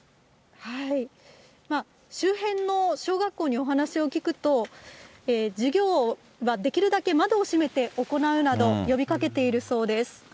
周辺の小学校にお話を聞くと、授業はできるだけ窓を閉めて行うなど、呼びかけているそうです。